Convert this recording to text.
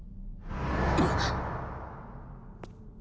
あっ！